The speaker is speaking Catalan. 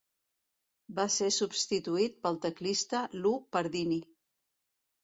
Va ser substituït pel teclista Lou Pardini.